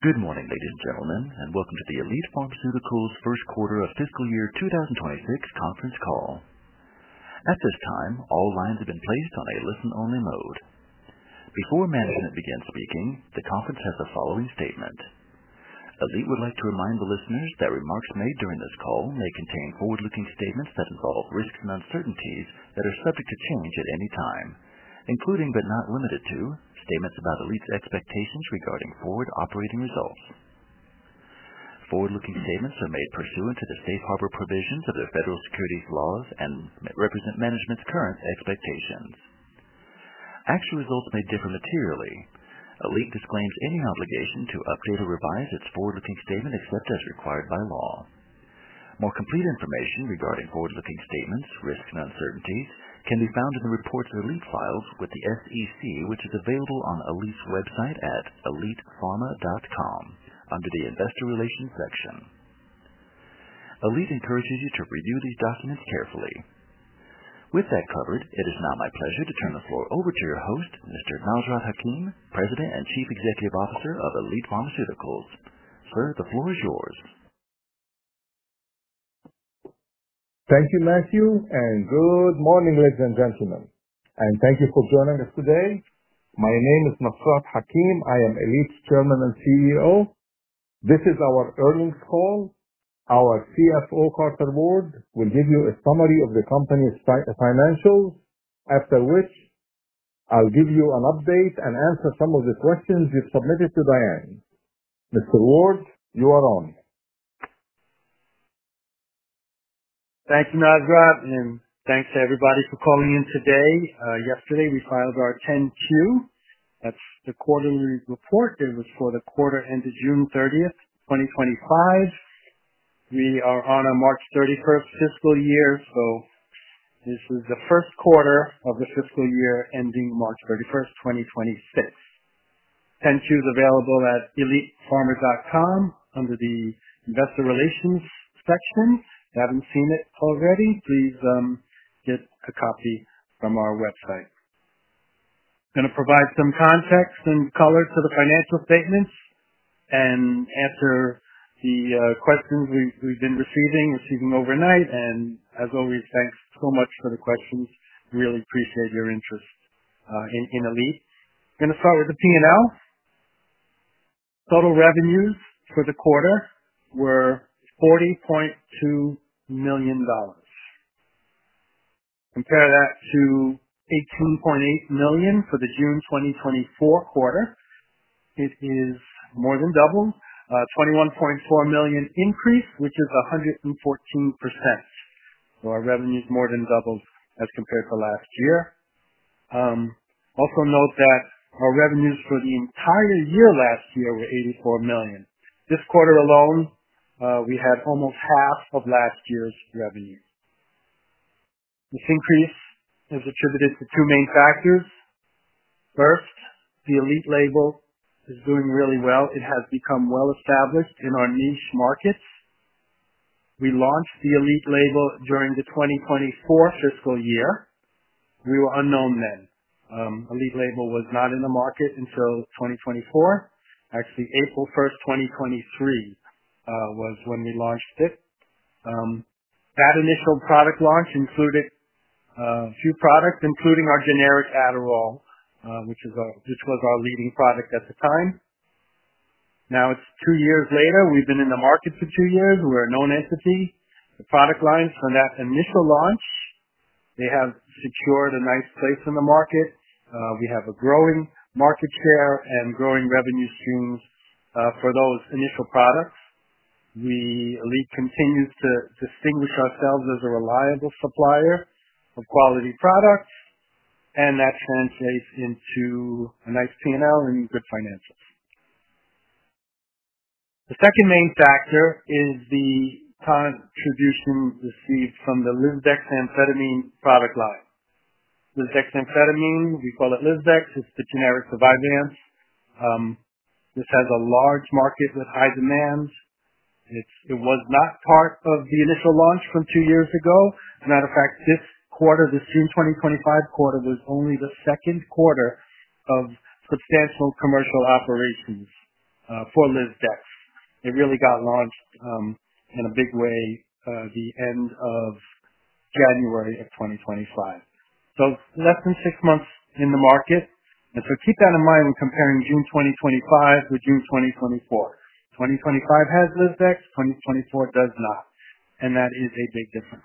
Good morning, ladies and gentlemen, and welcome to the Elite Pharmaceuticals' First Quarter of Fiscal Year 2026 Conference Call. At this time, all lines have been placed on a listen-only mode. Before management begins speaking, the conference has the following statement: Elite would like to remind the listeners that remarks made during this call may contain forward-looking statements that involve risks and uncertainties that are subject to change at any time, including but not limited to statements about Elite's expectations regarding forward operating results. Forward-looking statements are made pursuant to the safe harbor provisions of the Federal Securities Laws and represent management's current expectations. Actual results may differ materially. Elite disclaims any obligation to update or revise its forward-looking statements except as required by law. More complete information regarding forward-looking statements, risks, and uncertainties can be found in the reports Elite files with the SEC, which is available on Elite's website at elitepharma.com under the Investor Relations section. Elite encourages you to review these documents carefully. With that coverage, it is now my pleasure to turn the floor over to your host, Mr. Nasrat Hakim, President and Chief Executive Officer of Elite Pharmaceuticals. Sir, the floor is yours. Thank you, Matthew, and good morning, ladies and gentlemen. Thank you for joining us today. My name is Nasrat Hakim. I am Elite's Chairman and CEO. This is our earnings call. Our CFO, Carter Ward, will give you a summary of the company's financials, after which I'll give you an update and answer some of the questions you submitted to Diane. Mr. Ward, you are on. Thank you, Nasrat, and thanks to everybody for calling in today. Yesterday, we filed our 10-Q. That's the quarterly report that was for the quarter ended June 30th, 2025. We are on our March 31 fiscal year, so this is the first quarter of the fiscal year ending March 31st, 2026. The 10-Q is available at elitepharma.com under the Investor Relations section. If you haven't seen it already, please get a copy from our website. I'm going to provide some context and color to the financial statements. After the questions we've been receiving overnight, and as always, thanks so much for the questions. Really appreciate your interest in Elite. I'm going to start with the P&L. Total revenues for the quarter were $40.2 million. Compare that to $18.8 million for the June 2024 quarter. This is more than double: a $21.4 million increase, which is 114%. Our revenue is more than doubled as compared to last year. Also note that our revenues for the entire year last year were $84 million. This quarter alone, we had almost half of last year's revenue. This increase is attributed to two main factors. First, the Elite label is doing really well. It has become well-established in our niche markets. We launched the Elite label during the 2024 fiscal year. We were unknown then. Elite label was not in the market until 2024. Actually, April 1st, 2023, was when we launched it. That initial product launch included a few products, including our generic Adderall IR, which was our leading product at the time. Now it's two years later. We've been in the market for two years. We're a known entity. The product lines from that initial launch have secured a nice place in the market. We have a growing market share and growing revenue streams for those initial products. Elite continues to distinguish ourselves as a reliable supplier of quality products, and that translates into a nice P&L and good finances. The second main factor is the contribution received from the lisdexamfetamine product line. Lisdexamfetamine, we call it Lisdex. It's the generic for Vyvanse. This has a large market with high demand. It was not part of the initial launch from two years ago. This quarter, the June 2025 quarter, was only the second quarter of substantial commercial operations for Lisdex. It really got launched in a big way at the end of January 2025. It's less than six months in the market. Keep that in mind when comparing June 2025 to June 2024. 2025 has Lisdex. 2024 does not. That is a big difference.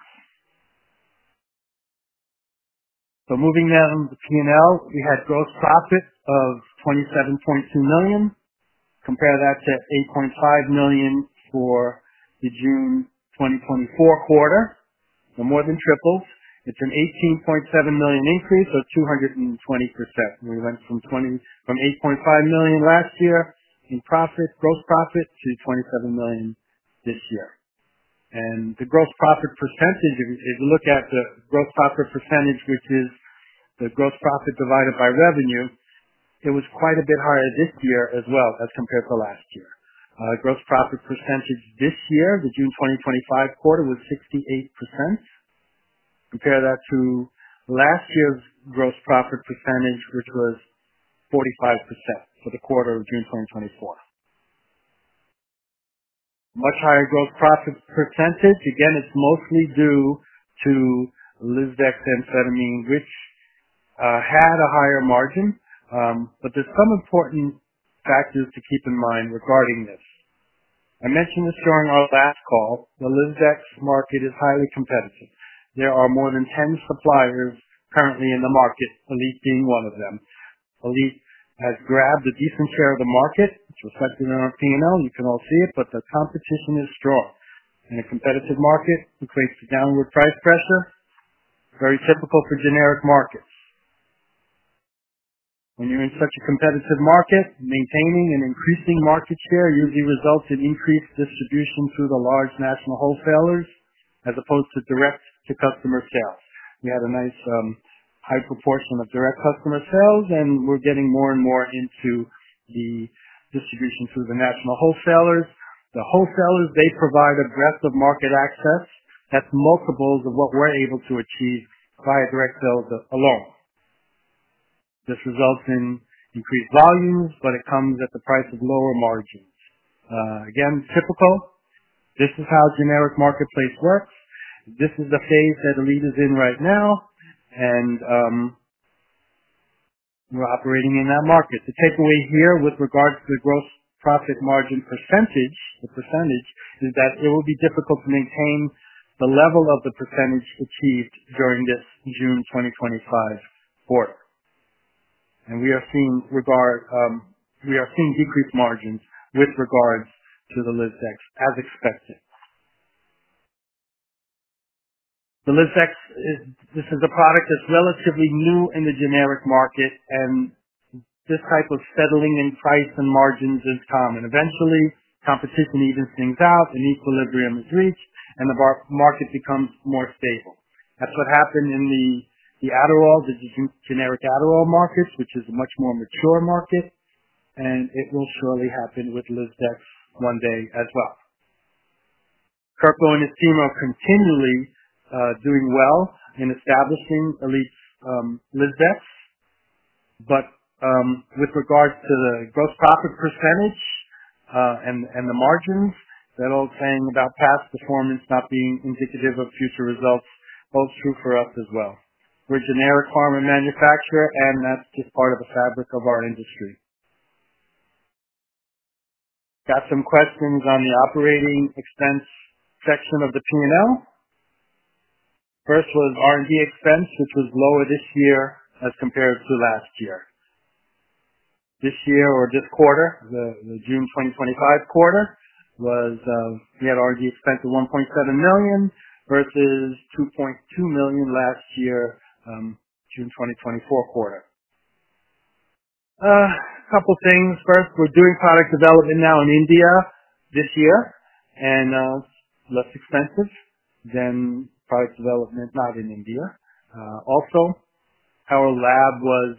Moving down the P&L, we had gross profit of $27.2 million. Compare that to $8.5 million for the June 2024 quarter. We're more than triple. It's an $18.7 million increase, so 220%. We went from $8.5 million last year in gross profit to $27 million this year. The gross profit percentage, if you look at the gross profit percentage, which is the gross profit divided by revenue, was quite a bit higher this year as well compared to last year. Gross profit percentage this year, the June 2025 quarter, was 68%. Compare that to last year's gross profit percentage, which was 45% for the quarter of June 2024. Much higher gross profit percentage. Again, it's mostly due to lisdexamfetamine, which had a higher margin. There are some important factors to keep in mind regarding this. I mentioned this during our last call. The Lisdex market is highly competitive. There are more than 10 suppliers currently in the market, Elite being one of them. Elite has grabbed a decent share of the market. It's reflected in our P&L. You can all see it, but the competition is strong. In a competitive market, it creates a downward price pressure. It's very typical for generic markets. When you're in such a competitive market, maintaining an increasing market share usually results in increased distribution through the large national wholesalers as opposed to direct-to-customer sales. We had a nice, high proportion of direct customer sales, and we're getting more and more into the distribution through the national wholesalers. The wholesalers provide aggressive market access. That's multiples of what we're able to achieve via direct sales alone. This results in increased volumes, but it comes at the price of lower margins. Again, typical. This is how a generic marketplace works. This is the phase that Elite is in right now, and we're operating in that market. The takeaway here with regards to the gross profit margin percentage is that it will be difficult to maintain the level of the percentage achieved during this June 2025 quarter. We are seeing decreased margins with regards to the Lisdex, as expected. The Lisdex, this is a product that's relatively new in the generic market, and this type of settling in price and margins is common. Eventually, competition evens things out, an equilibrium is reached, and the market becomes more stable. That's what happened in the Adderall, the generic Adderall market, which is a much more mature market, and it will surely happen with Lisdex one day as well. Carter and his team are continually doing well in establishing Elite's Lisdex. With regards to the gross profit percentage and the margins, that all came about past performance not being indicative of future results, both true for us as well. We're a generic pharma manufacturer, and that's just part of the fabric of our industry. Got some questions on the operating expense section of the P&L. First was R&D expense, which was lower this year as compared to last year. This year, or this quarter, the June 2025 quarter, we had R&D expense of $1.7 million versus $2.2 million last year, June 2024 quarter. A couple of things. First, we're doing product development now in India this year, and less expensive than product development not in India. Also, our lab was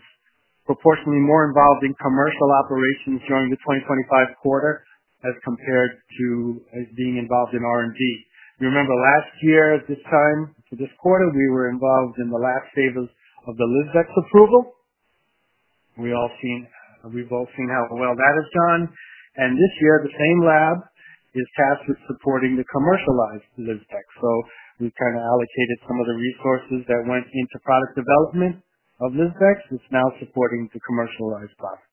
proportionately more involved in commercial operations during the 2025 quarter as compared to as being involved in R&D. You remember last year, at this time, for this quarter, we were involved in the lab stages of the Lisdex approval. We've all seen how well that has done. This year, the same lab is tasked with supporting the commercialized Lisdex. We've kind of allocated some of the resources that went into product development of Lisdex. It's now supporting the commercialized products.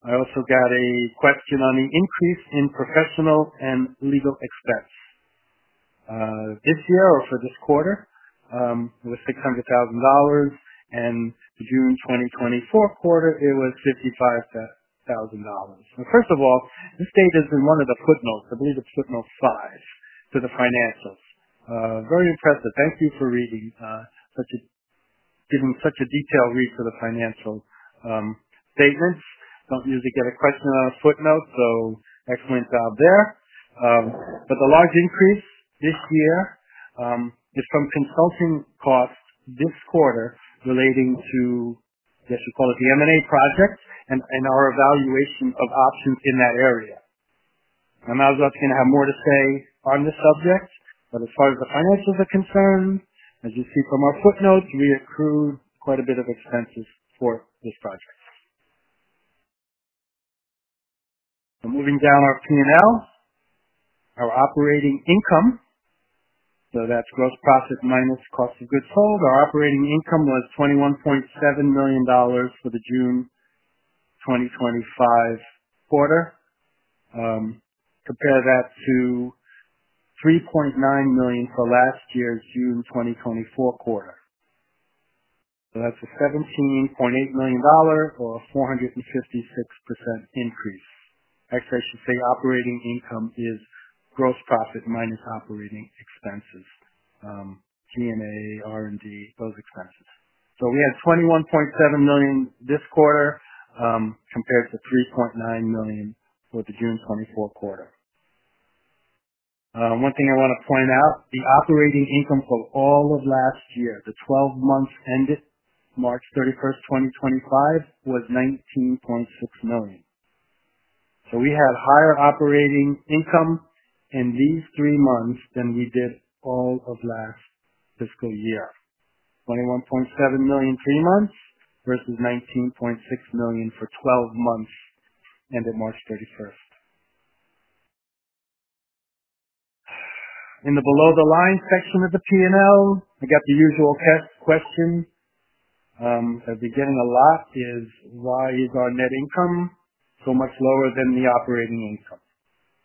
I also got a question on the increase in professional and legal expense. This year, or for this quarter, it was $600,000, and the June 2024 quarter, it was $55,000. This data is in one of the footnotes. I believe it's footnote five to the financials. Very impressive. Thank you for reading, giving such a detailed read to the financial statements. Don't usually get a question on a footnote, so excellent job there. The large increase this year is from consulting costs this quarter relating to, I guess we call it the M&A projects and our evaluation of options in that area. I'm not going to have more to say on this subject, but as far as the finances are concerned, as you see from our footnote, we accrued quite a bit of expenses for this project. Moving down our P&L, our operating income, so that's gross profit minus cost of goods sold. Our operating income was $21.7 million for the June 2025 quarter. Compare that to $3.9 million for last year's June 2024 quarter. That's a $17.8 million or a 456% increase. Actually, I should say operating income is gross profit minus operating expenses. P&A, R&D, those expenses. We had $21.7 million this quarter, compared to $3.9 million for the June 2024 quarter. One thing I want to point out, the operating income for all of last year, the 12 months ended March 31st, 2025, was $19.6 million. We had higher operating income in these three months than we did all of last fiscal year. $21.7 million three months versus $19.6 million for 12 months ended March 31st. In the below-the-line section of the P&L, I got the usual test question. I've been getting a lot is why is our net income so much lower than the operating income?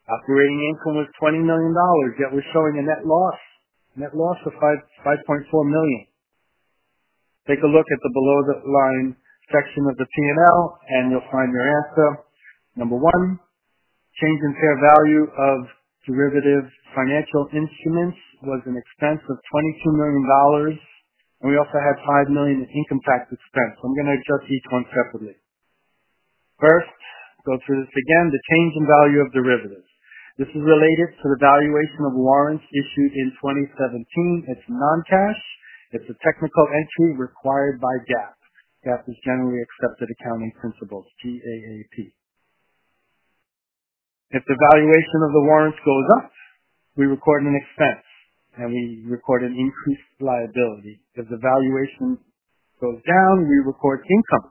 Operating income is $20 million, yet we're showing a net loss. Net loss of $5.4 million. Take a look at the below-the-line section of the P&L, and you'll find your answer. Number one, change in fair value of derivative financial instruments was an expense of $22 million. We also had $5 million in income tax expense. I'm going to address each one separately. First, go through this again, the change in value of derivatives. This is related to the valuation of a warrant issued in 2017. It's non-cash. It's a technical entry required by GAAP. GAAP is Generally Accepted Accounting Principle, G-A-A-P. If the valuation of the warrants goes up, we record an expense, and we record an increased liability. If the valuation goes down, we record income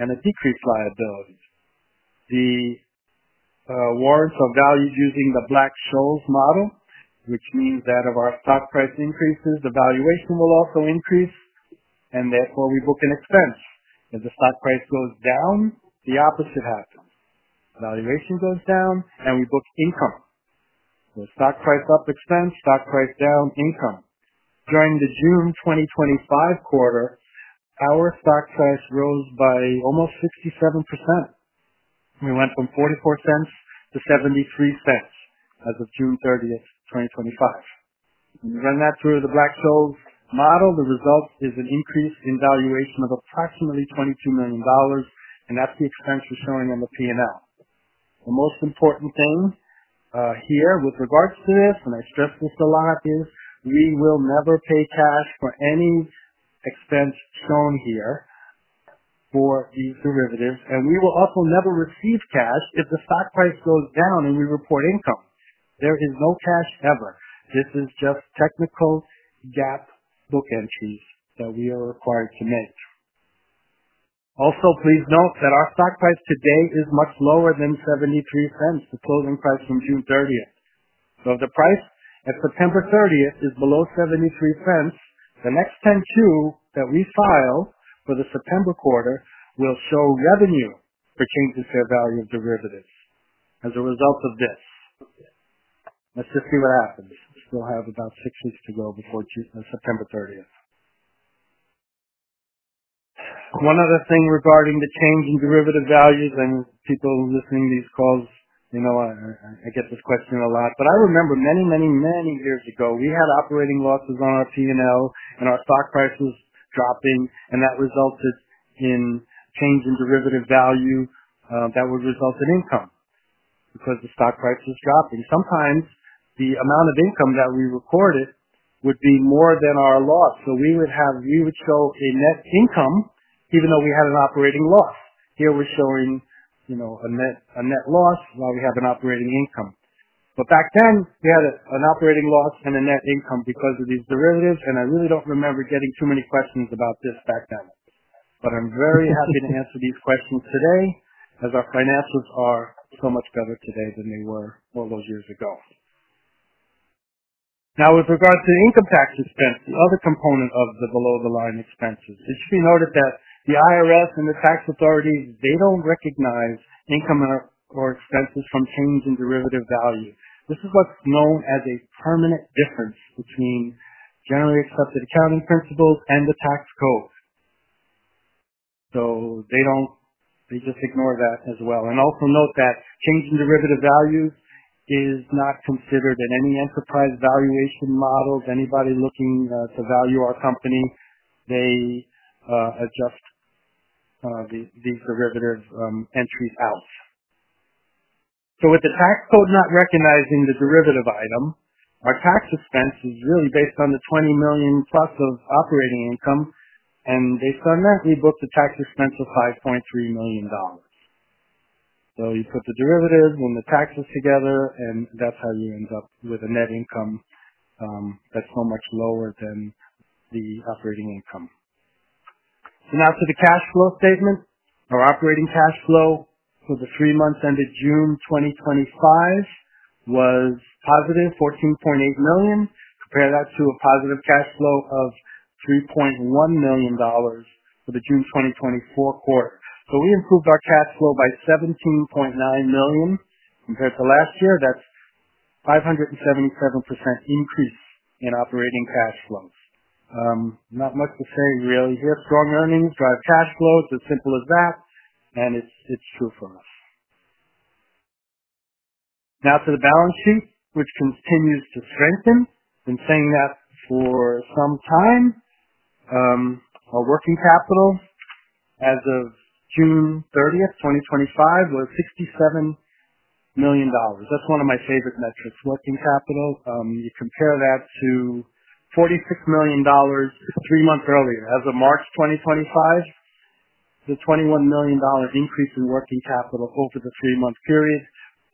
and a decreased liability. The warrants are valued using the Black-Scholes model, which means that if our stock price increases, the valuation will also increase, and therefore we book an expense. If the stock price goes down, the opposite happens. The valuation goes down, and we book income. When the stock price up, expense. Stock price down, income. During the June 2025 quarter, our stock price rose by almost 57%. We went from $0.44 to $0.73 as of June 30th, 2025. We run that through the Black-Scholes model. The result is an increase in valuation of approximately $22 million, and that's the expense we're showing on the P&L. The most important thing here with regards to this, and I stress this a lot, is we will never pay cash for any expense shown here for these derivatives, and we will also never receive cash if the stock price goes down and we report income. There is no cash ever. This is just technical GAAP book entries that we are required to make. Also, please note that our stock price today is much lower than $0.73, the closing price from June 30th. If the price at September 30th is below $0.73, the next 10Q that we file for the September quarter will show revenue for change in fair value of derivatives as a result of this. Let's just see what happens. We'll have about six weeks to go before September 30th. One other thing regarding the change in derivative values, and people listening to these calls, you know I get this question a lot. I remember many, many, many years ago, we had operating losses on our P&L and our stock prices dropping, and that resulted in change in derivative value that would result in income because the stock price was dropping. Sometimes the amount of income that we recorded would be more than our loss. We would show a net income even though we had an operating loss. Here we're showing a net loss while we have an operating income. Back then, we had an operating loss and a net income because of these derivatives, and I really don't remember getting too many questions about this back then. I'm very happy to answer these questions today as our finances are so much better today than they were all those years ago. Now, with regard to the income tax expense, the other component of the below-the-line expenses, it should be noted that the IRS and the tax authorities, they don't recognize income or expenses from change in derivative value. This is what's known as a permanent difference between generally accepted accounting principles and the tax code. They just ignore that as well. Also note that change in derivative values is not considered in any enterprise valuation models. Anybody looking to value our company, they adjust these derivative entries out. With the tax code not recognizing the derivative item, our tax expense is really based on the $20 million plus of operating income, and based on that, we booked a tax expense of $5.3 million. You put the derivative and the taxes together, and that's how you end up with a net income that's so much lower than the operating income. Now to the cash flow statement. Our operating cash flow for the three months ended June 2025 was +$14.8 million. Compare that to a positive cash flow of $3.1 million for the June 2024 quarter. We improved our cash flow by $17.9 million compared to last year. That's a 577% increase in operating cash flows. Not much to say really here. Strong earnings drive cash flows. It's as simple as that. It's true for us. Now to the balance sheet, which continues to strengthen. I've been saying that for some time. Our working capital as of June 30th, 2025, was $67 million. That's one of my favorite metrics, working capital. You compare that to $46 million three months earlier. As of March 2025, it's a $21 million increase in working capital over the three-month period,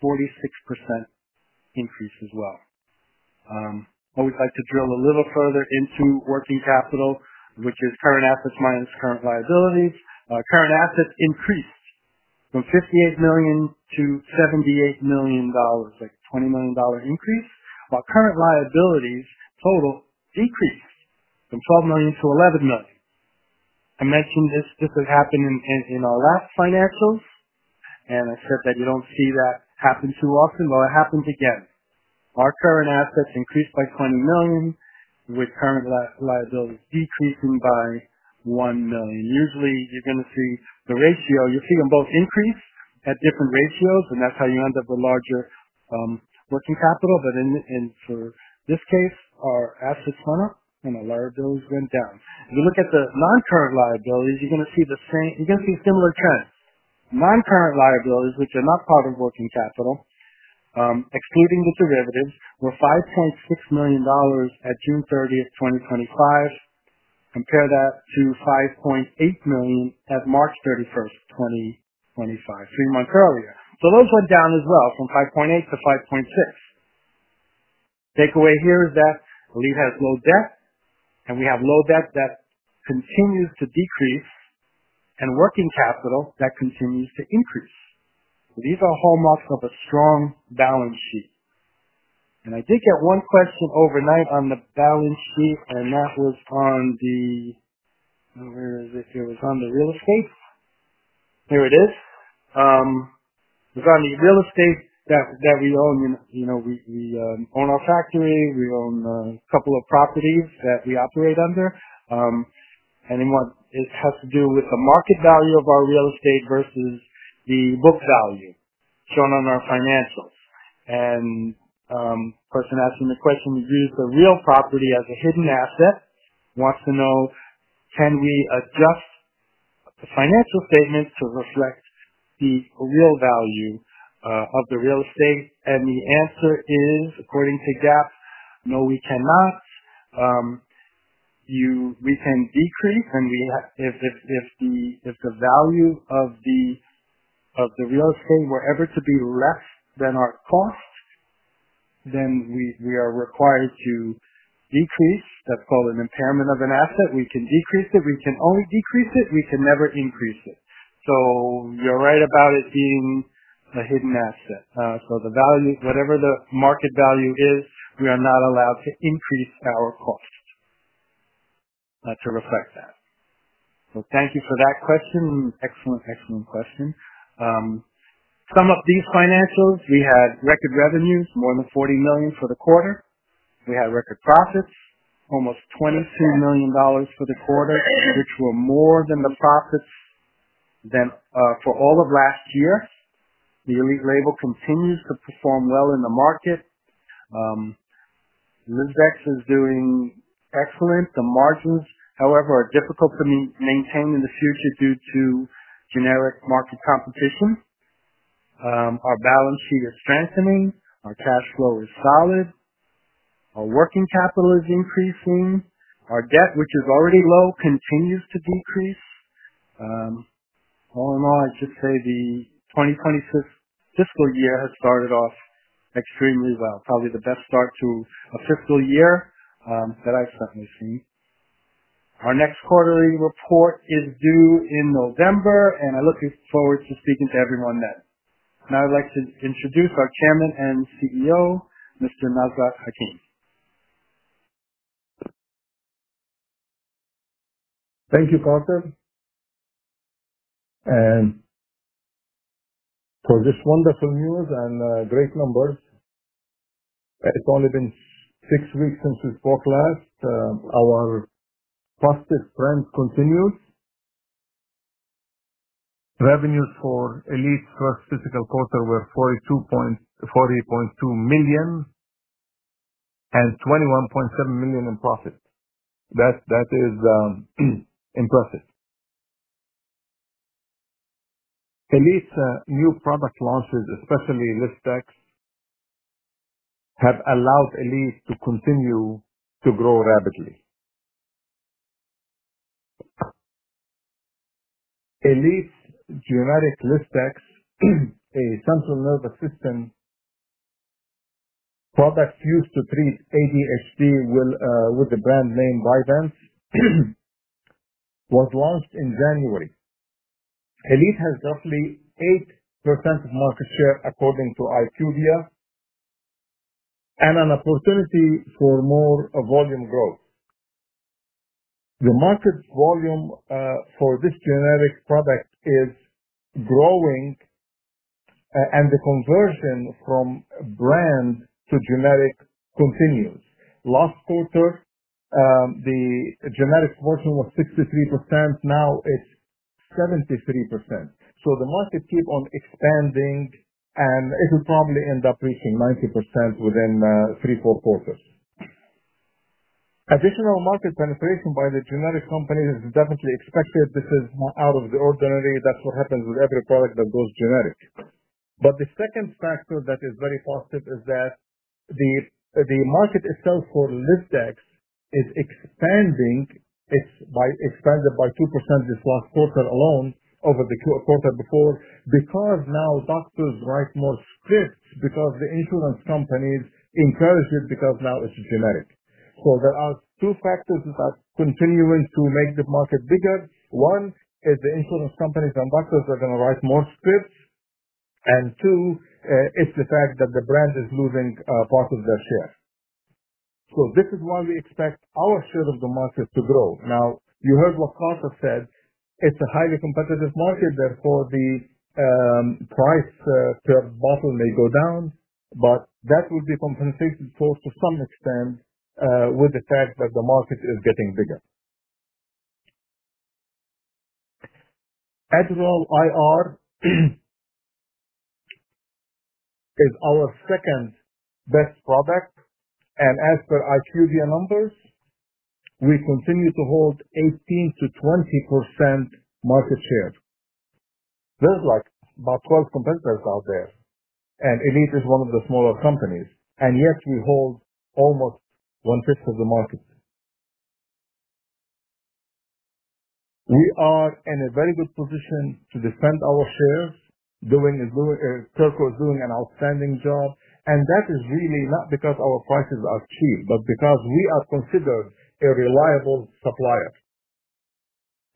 46% increase as well. I would like to drill a little further into working capital, which is current assets minus current liabilities. Our current assets increased from $58 million to $78 million. That's a $20 million increase. Our current liabilities total decreased from $12 million to $11 million. I mentioned this just happened in our last financials, and I've heard that you don't see that happen too often, but it happened again. Our current assets increased by $20 million, with current liabilities decreasing by $1 million. Usually, you're going to see the ratio. You're seeing them both increase at different ratios, and that's how you end up with larger working capital. In this case, our assets went up and our liabilities went down. If you look at the non-current liabilities, you're going to see similar trends. Non-current liabilities, which are not part of working capital, excluding the derivatives, were $5.6 million at June 30th, 2025. Compare that to $5.8 million at March 31st, 2025, three months earlier. Those went down as well from $5.8 million to $5.6 million. Takeaway here is that Elite has low debt, and we have low debt that continues to decrease, and working capital that continues to increase. These are hallmarks of a strong balance sheet. I did get one question overnight on the balance sheet, and that was on the, where is it? It was on the real estate. Here it is. It's on the real estate that we own. You know, we own our factory. We own a couple of properties that we operate under, and it has to do with the market value of our real estate versus the book value shown on our financials. The person asking the question, we use the real property as a hidden asset, wants to know, can we adjust the financial statements to reflect the real value of the real estate? The answer is, according to GAAP, no, we cannot. We can decrease, and we have, if the value of the real estate were ever to be less than our cost, then we are required to decrease. That's called an impairment of an asset. We can decrease it. We can only decrease it. We can never increase it. You're right about it being a hidden asset. The value, whatever the market value is, we are not allowed to increase our costs to reflect that. Thank you for that question. Excellent, excellent question. Some of these financials, we had record revenues, more than $40 million for the quarter. We had record profits, almost $23 million for the quarter, which were more than the profits for all of last year. The Elite label continues to perform well in the market. Lisdex is doing excellent. The margins, however, are difficult to maintain in the future due to generic market competition. Our balance sheet is strengthening. Our cash flow is solid. Our working capital is increasing. Our debt, which is already low, continues to decrease. All in all, I'd just say the 2025 fiscal year has started off extremely well. Probably the best start to a fiscal year that I've certainly seen. Our next quarterly report is due in November, and I'm looking forward to speaking to everyone then. Now I'd like to introduce our Chairman and CEO, Mr. Nasrat Hakim. Thank you, Carter. And for this wonderful news and great numbers, it's only been six weeks since we spoke last. Our positive trends continued. Revenues for Elite's first fiscal quarter were $42.2 million and $21.7 million in profit. That is impressive. Elite's new product launches, especially Lisdex, have allowed Elite to continue to grow rapidly. Elite's generic Lisdex, a central nervous system product used to treat ADHD with the brand name Vyvanse, was launched in January. Elite has roughly 8% of market share according to IQVIA and an opportunity for more volume growth. The market volume for this generic product is growing, and the conversion from brand to generic continues. Last quarter, the generic proportion was 63%. Now it's 73%. The market keeps on expanding, and it will probably end up reaching 90% within three, four quarters. Additional market penetration by the generic companies is definitely expected. This is not out of the ordinary. That's what happens with every product that goes generic. The second factor that is very positive is that the market itself for Lisdex is expanding. It's expanded by 2% this last quarter alone over the quarter before because now doctors write more scripts because the insurance companies encourage it because now it's generic. There are two factors that are continuing to make the market bigger. One is the insurance companies and doctors are going to write more scripts. Two, it's the fact that the brand is losing part of their share. This is why we expect our share of the market to grow. Now, you heard what Carter said. It's a highly competitive market. Therefore, the price per bottle may go down, but that will be compensated for to some extent with the fact that the market is getting bigger. Adderall IR is our second best product. As per IQVIA numbers, we continue to hold 18%-20% market share. There's like about 12 competitors out there, and Elite is one of the smaller companies. Yet, we hold almost one-fifth of the market. We are in a very good position to defend our shares. [Turco] is doing an outstanding job. That is really not because our prices are cheap, but because we are considered a reliable supplier.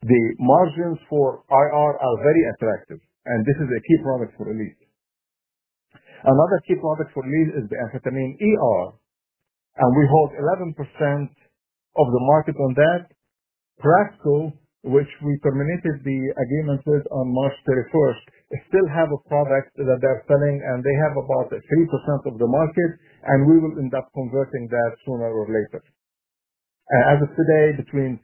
The margins for IR are very attractive, and this is a key product for Elite. Another key product for Elite is the amphetamine and we hold 11% of the market on that. Prasco, which we terminated the agreement with on March 31st, still has a product that they're selling, and they have about 3% of the market, and we will end up converting that sooner or later. As of today, between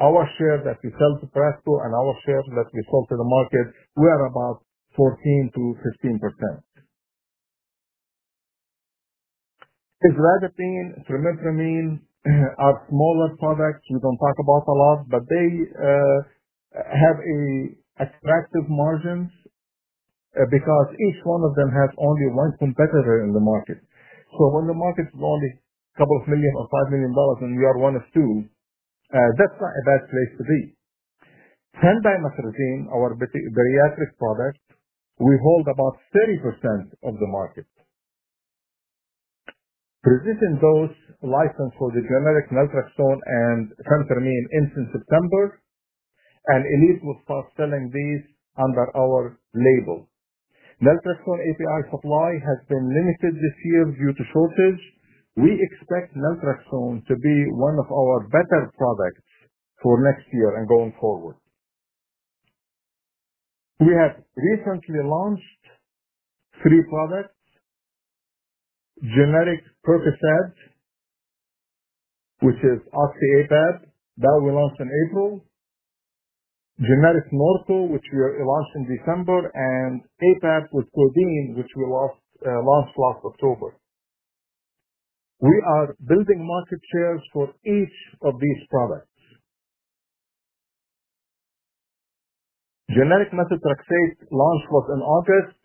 our share that we sell to Prasco and our share that we sold to the market, we are about 14%-15%. Tizanidine, trimipramine are smaller products we don't talk about a lot, but they have attractive margins, because each one of them has only one competitor in the market. When the market is only a couple of million or $5 million and you are one of two, that's not a bad place to be. Phendimetrazine, our bariatric product, we hold about 30% of the market. Previous invoice license for the generic naltrexone and phentermine ends in September, and Elite will start selling these under our label. Naltrexone API supply has been limited this year due to shortage. We expect naltrexone to be one of our better products for next year and going forward. We have recently launched three products: generic Percocet, which is OxyAPAP, that we launched in April; generic Norco, which we launched in December; and APAP with Codeine, which we launched last October. We are building market shares for each of these products. Generic methotrexate launch was in August,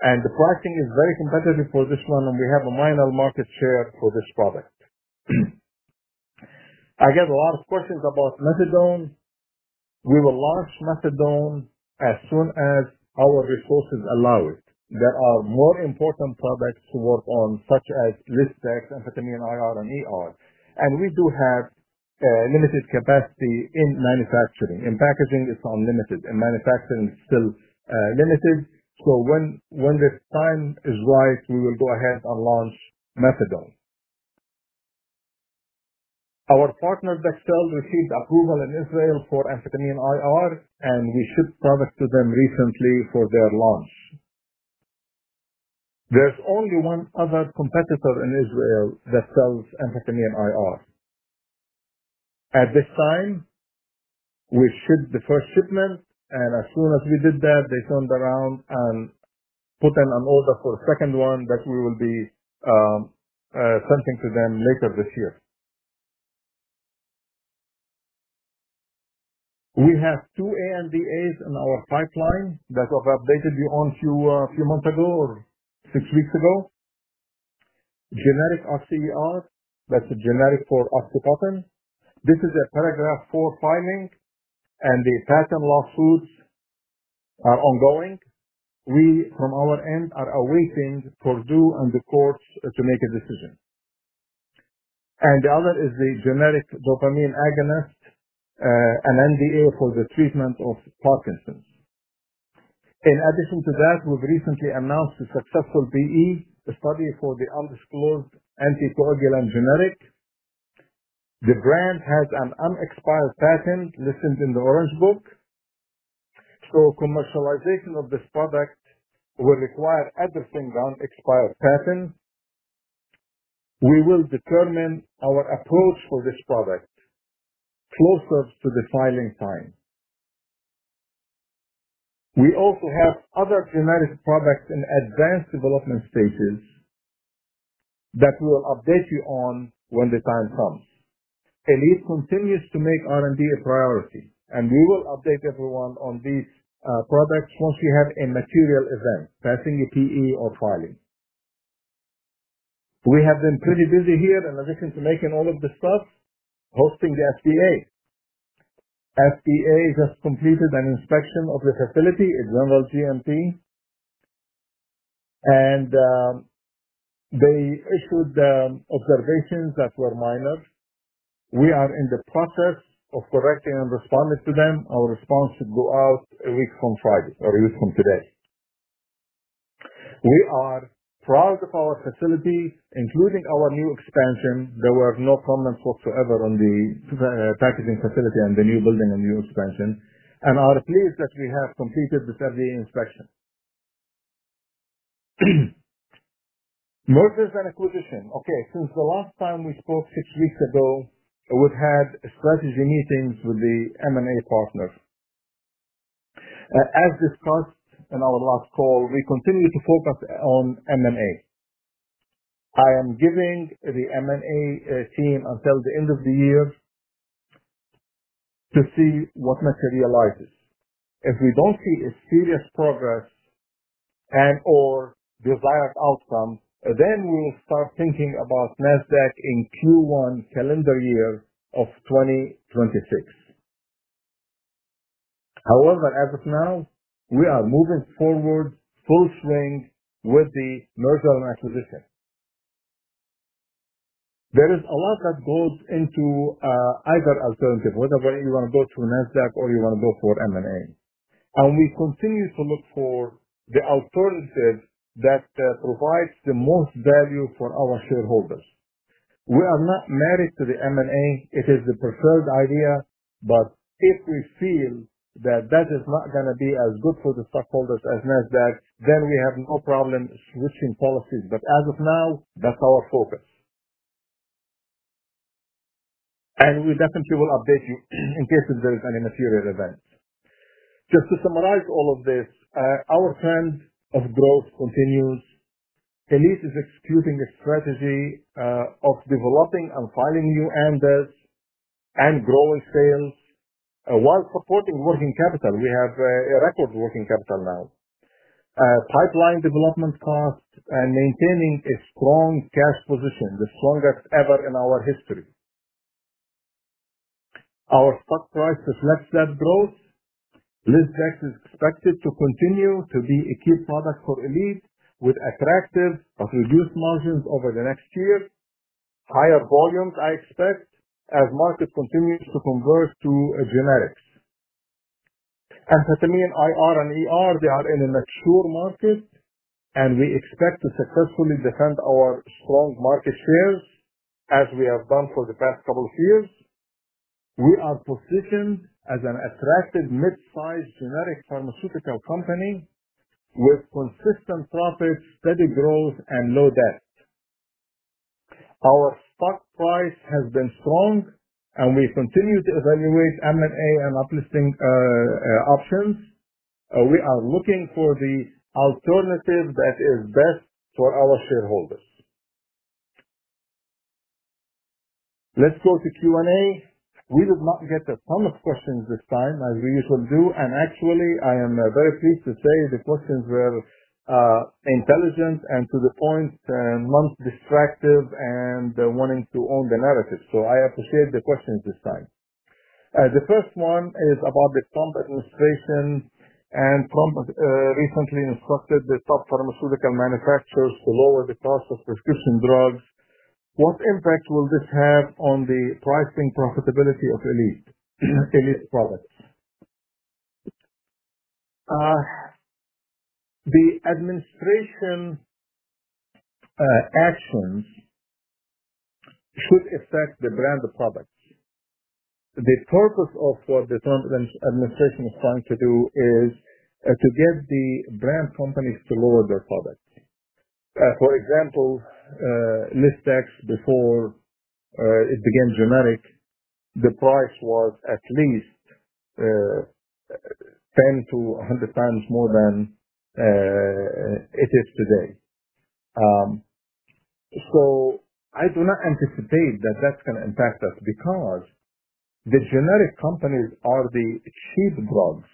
and the pricing is very competitive for this one, and we have a minor market share for this product. I get a lot of questions about methadone. We will launch methadone as soon as our resources allow it. There are more important products to work on, such as lisdexamphetamine IR, and we do have a limited capacity in manufacturing. In packaging, it's unlimited. In manufacturing, it's still limited. When the time is right, we will go ahead and launch methadone. Our partner, Dexcel, received approval in Israel for amphetamine IR, and we shipped products to them recently for their launch. There's only one other competitor in Israel that sells amphetamine IR. At this time, we shipped the first shipment, and as soon as we did that, they turned around and put in an order for a second one that we will be sending to them later this year. We have two ANDAs in our pipeline that I've updated you on a few months ago or six weeks ago. Generic Oxy ER, that's a generic for Oxycodone. This is a paragraph four filing, and the patent lawsuits are ongoing. We, from our end, are awaiting Purdue and the courts to make a decision. The other is the generic dopamine agonist, an NDA for the treatment of Parkinson's. In addition to that, we've recently announced a successful BE study for the undisclosed anticoagulant generic. The brand has an unexpired patent listed in the Rules Book. Commercialization of this product will require addressing the unexpired patent. We will determine our approach for this product closer to the filing time. We also have other generic products in advanced development stages that we will update you on when the time comes. Elite continues to make R&D a priority, and we will update everyone on these products once we have a material event, passing a BE or filing. We have been pretty busy here, in addition to making all of this stuff, hosting the FDA. FDA has completed an inspection of the facility, a general GMP, and they issued observations that were minor. We are in the process of correcting and responding to them. Our response should go out a week from Friday or a week from today. We are proud of our facility, including our new expansion. There were no comments whatsoever on the packaging facility and the new building and new expansion, and I'm pleased that we have completed the 30-day inspection. Mergers and acquisitions. Since the last time we spoke six weeks ago, we've had strategy meetings with the M&A partners. As discussed in our last call, we continue to focus on M&A. I am giving the M&A team until the end of the year to see what materializes. If we don't see serious progress and/or desired outcome, then we will start thinking about Nasdaq in Q1 calendar year of 2026. However, as of now, we are moving forward full swing with the merger and acquisition. There is a lot that goes into either alternative, whether you want to go through Nasdaq or you want to go for M&A. We continue to look for the alternative that provides the most value for our shareholders. We are not married to the M&A. It is the preferred idea. If we feel that that is not going to be as good for the stockholders as Nasdaq, then we have no problem switching policies. As of now, that's our focus. We definitely will update you in case there is any material event. Just to summarize all of this, our trend of growth continues. Elite is executing a strategy of developing and filing new ANDAs and growing sales while supporting working capital. We have a record working capital now. Pipeline development costs and maintaining a strong cash position, the strongest ever in our history. Our stock price reflects that growth. Lisdex is expected to continue to be a key product for Elite with attractive, but reduced margins over the next year. Higher volumes, I expect, as the market continues to convert to a generic. Amphetamine IR and they are in a mature market, and we expect to successfully defend our strong market shares as we have done for the past couple of years. We are positioned as an attractive mid-sized generic pharmaceutical company with consistent profits, steady growth, and no debt. Our stock price has been strong, and we continue to evaluate M&A and uplisting options. We are looking for the alternative that is best for our shareholders. Let's go to Q&A. We did not get a ton of questions this time, as we usually do. I am very pleased to say the questions were intelligent and to the point, non-distractive, and wanting to own the narrative. I appreciate the questions this time. The first one is about the Trump administration, and Trump recently instructed the top pharmaceutical manufacturers to lower the cost of prescription drugs. What impact will this have on the pricing profitability of Elite? The administration actions should affect the brand of products. The purpose of what the Trump administration is trying to do is to get the brand companies to lower their products. For example, Lisdex, before it became generic, the price was at least 10x-100x more than it is today. I do not anticipate that that's going to impact us because the generic companies are the cheap drugs,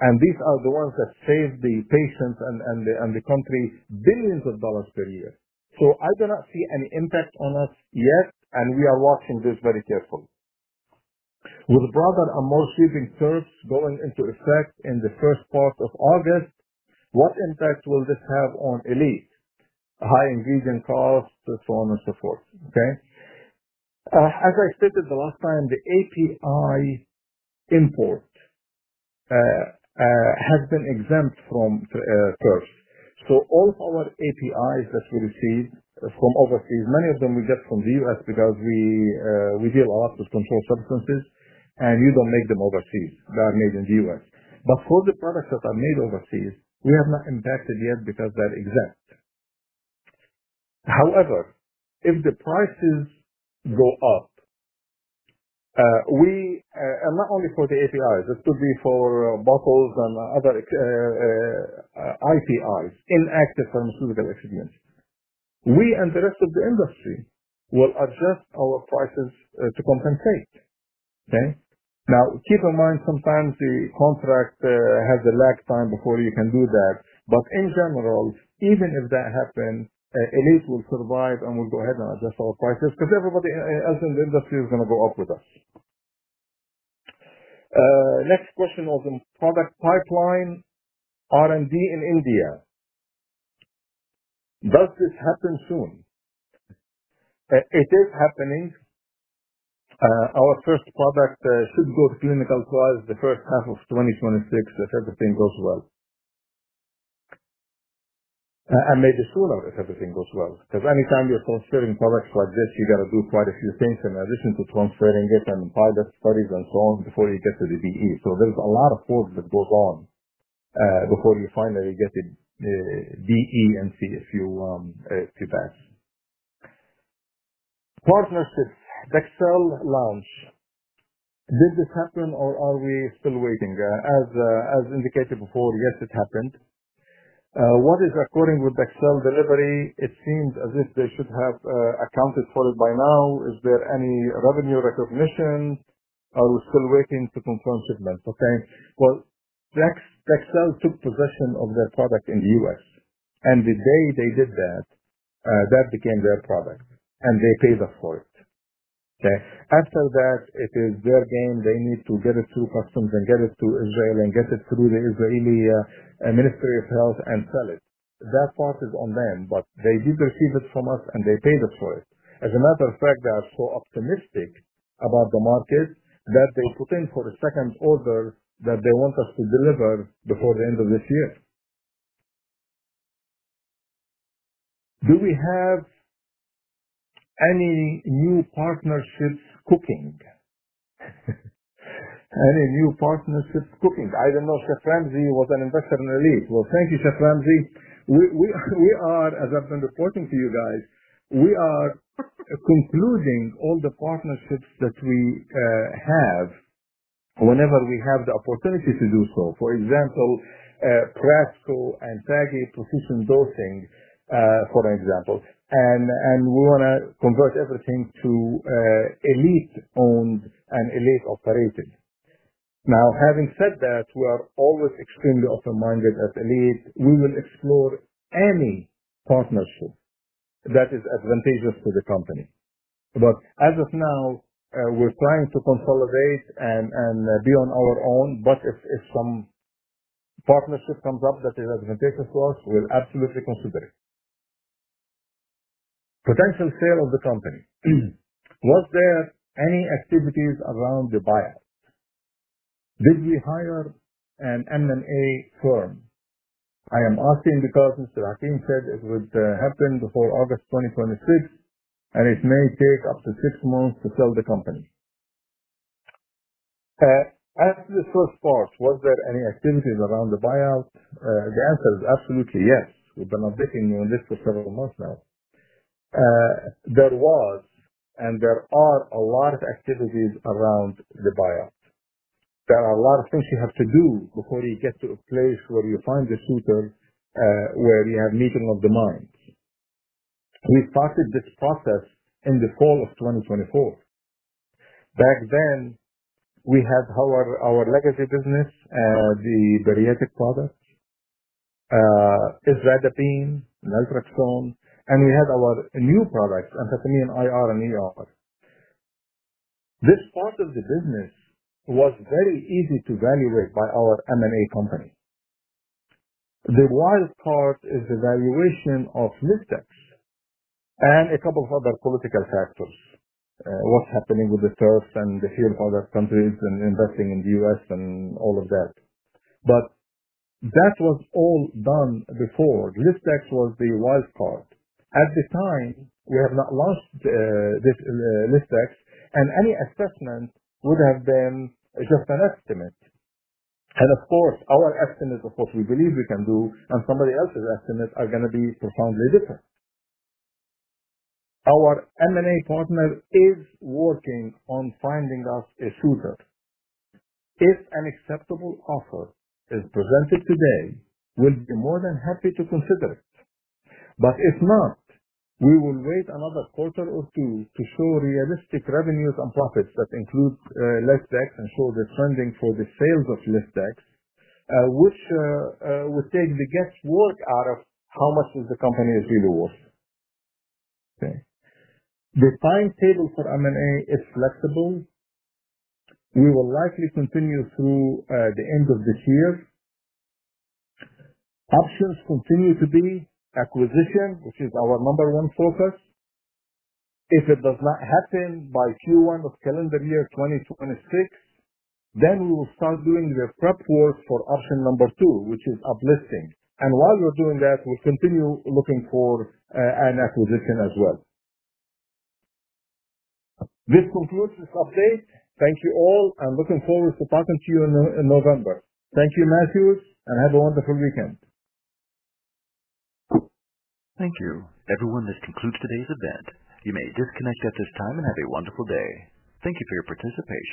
and these are the ones that save the patients and the country billions of dollars per year. I do not see any impact on us yet, and we are watching this very carefully. With broader and more seething curves going into effect in the first part of August, what impact will this have on Elite? High ingredient costs, so on and so forth. As I stated the last time, the API import has been exempt from curves. All of our APIs that we receive from overseas, many of them we get from the U.S. because we deal a lot with controlled substances, and you don't make them overseas. They are made in the U.S. For the products that are made overseas, we have not impacted yet because they're exempt. However, if the prices go up, we and not only for the APIs. This could be for bottles and other IPIs, inactive pharmaceutical equipment. We and the rest of the industry will adjust our prices to compensate. Okay. Now, keep in mind, sometimes the contract has a lag time before you can do that. In general, even if that happens, Elite will survive and we'll go ahead and adjust our prices because everybody else in the industry is going to go up with us. Next question of the product pipeline, R&D in India. Does this happen soon? It is happening. Our first product should go to clinical trials the first half of 2026 if everything goes well, and maybe sooner if everything goes well. Anytime you're transferring products like this, you got to do quite a few things in addition to transferring it and private studies and so on before you get to the BE. There's a lot of work that goes on before you finally get a BE and CFU TBAS. Partnerships, Dexcel launch. Did this happen, or are we still waiting? As indicated before, yes, it happened. What is occurring with Dexcel delivery? It seems as if they should have accounted for it by now. Is there any revenue recognition? Are we still waiting to confirm? Okay. Dexcel took possession of their product in the U.S., and the day they did that, that became their product, and they paid us for it. After that, it is their game. They need to get it through customs and get it to Israel and get it through the Israeli Ministry of Health and sell it. That part is on them, but they did receive it from us, and they paid us for it. As a matter of fact, they are so optimistic about the market that they put in for a second order that they want us to deliver before the end of this year. Do we have any new partnerships cooking? Any new partnerships cooking? I don't know if Saframzi was an investor in Elite. Thank you, Saframzi. As I've been reporting to you guys, we are concluding all the partnerships that we have whenever we have the opportunity to do so. For example, Prasco and TAGI precision dosing, for example. We want to convert everything to Elite-owned and Elite-operated. Now, having said that, we are always extremely open-minded at Elite. We will explore any partnership that is advantageous to the company. As of now, we're trying to consolidate and be on our own. If some partnership comes up that is advantageous to us, we'll absolutely consider it. Potential sale of the company. Was there any activities around the buyout? Did we hire an M&A firm? I am asking because Mr. Hakim said it would happen before August 2026, and it may take up to six months to sell the company. As to the first part, was there any activities around the buyout? The answer is absolutely yes. We've been updating you on this for several months now. There was, and there are a lot of activities around the buyout. There are a lot of things you have to do before you get to a place where you find the suitor, where you have meeting of the minds. We started this process in the fall of 2024. Back then, we had our legacy business and the bariatric product, ivermectin, naltrexone, and we had our new products, amphetamine IR and this part of the business was very easy to evaluate by our M&A company. The wild card is the valuation of Lisdex and a couple of other political factors. What's happening with the turf and the shareholder countries and investing in the U.S. and all of that. That was all done before. Lisdex was the wild card. At the time, we have not launched this Lisdex, and any assessment would have been just an estimate. Of course, our estimates, of course, we believe we can do, and somebody else's estimates are going to be profoundly different. Our M&A partner is working on finding us a suitor. If an acceptable offer is presented today, we'll be more than happy to consider it. If not, we will wait another quarter or two to show realistic revenues and profits that include Lisdex and show the trending for the sales of Lisdex, which would take the guesswork out of how much the company is really worth. The timetable for M&A is flexible. We will likely continue through the end of this year. Options continue to be acquisition, which is our number one focus. If it does not happen by Q1 of calendar year 2026, then we will start doing the prep work for option number two, which is uplisting. While we're doing that, we'll continue looking for an acquisition as well. This concludes this update. Thank you all. I'm looking forward to talking to you in November. Thank you, Matthew, and have a wonderful weekend. Thank you. Everyone, this concludes today's event. You may disconnect at this time and have a wonderful day. Thank you for your participation.